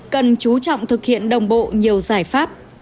cần chú trọng thực hiện đồng bộ nhiều giải pháp